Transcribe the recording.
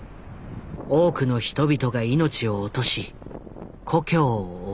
多くの人々が命を落とし故郷を追われた。